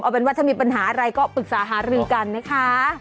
เอาเป็นว่าถ้ามีปัญหาอะไรก็ปรึกษาหารือกันนะคะ